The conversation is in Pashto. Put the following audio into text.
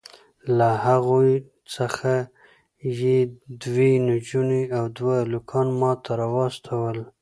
له هغوی څخه یې دوې نجوني او دوه هلکان ماته راواستول.